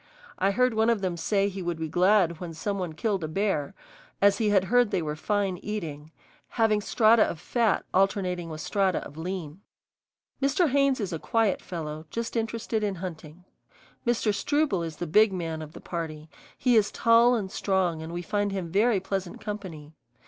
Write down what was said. I heard one of them say he would be glad when some one killed a bear, as he had heard they were fine eating, having strata of fat alternating with strata of lean. Mr. Haynes is a quiet fellow, just interested in hunting. Mr. Struble is the big man of the party; he is tall and strong and we find him very pleasant company.